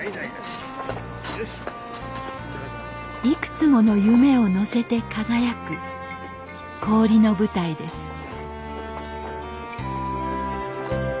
いくつもの夢を乗せて輝く氷の舞台です